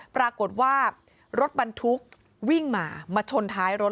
ปรากฏว่ารถบรรทุกวิ่งมามาชนท้ายรถ